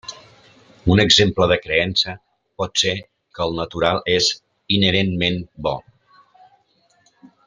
Un exemple de creença pot ser que el natural és inherentment bo.